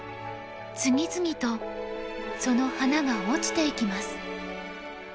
次々とその花が落ちていきます。